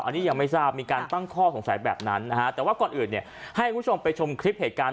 อันนี้ยังไม่ทราบมีการตั้งข้อสงสัยแบบนั้นนะฮะแต่ว่าก่อนอื่นเนี่ยให้คุณผู้ชมไปชมคลิปเหตุการณ์